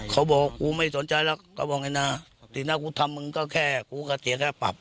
เขาบอกกูไม่สนใจแล้วก็บอกไอ้นะสีหน้ากูทำมึงก็แค่กูก็เสียค่าปรับ